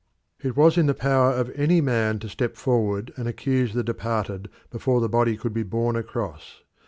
It was in the power of any man to step forward and accuse the departed before the body could be borne across.